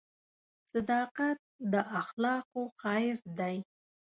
• صداقت د اخلاقو ښایست دی.